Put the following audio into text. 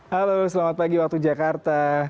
halo selamat pagi waktu jakarta